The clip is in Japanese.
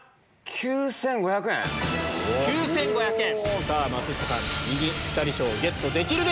９５００円！